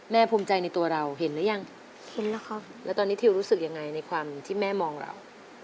แม่ภูมิใจในตัวเราเห็นแล้วยังแล้วตอนนี้ทิวรู้สึกยังไงในความที่แม่มองเรา